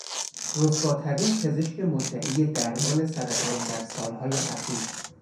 رسواترین پزشک مدعی درمان سرطان در سالهای اخیر